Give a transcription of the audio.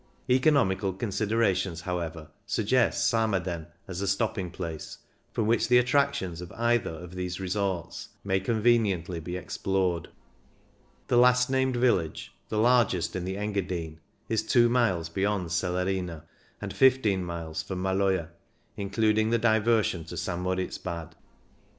Economical considerations, how ever, suggest Samaden as a stopping place, from which the attractions of either of these resorts may conveniently be explored. The last named village — the largest in the Engadine — is two miles beyond Celerina, and 15 miles from Maloja, including the diversion to St Moritz Bad.